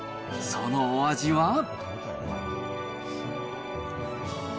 そのお味は？